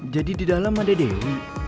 jadi di dalam ada dewi